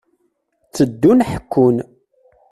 Tteddun ḥekkun.